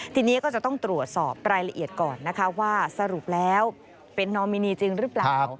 ทีนี้ก็จะต้องตรวจสอบรายละเอียดก่อนนะคะว่าสรุปแล้วเป็นนอมินีจริงหรือเปล่า